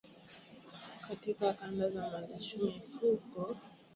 katika kanda za malisho ya mifugo ambazo hupata huduma duni sana za tiba